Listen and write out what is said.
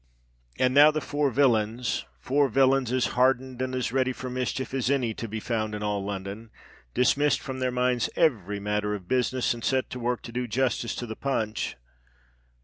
And now the four villains—four villains as hardened and as ready for mischief as any to be found in all London—dismissed from their minds every matter of "business," and set to work to do justice to the punch.